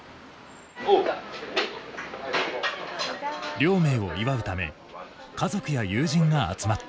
亮明を祝うため家族や友人が集まった。